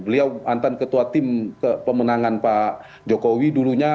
beliau mantan ketua tim pemenangan pak jokowi dulunya